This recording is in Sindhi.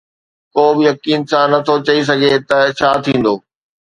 ڪو به يقين سان نٿو چئي سگهي ته ڇا ٿيندو.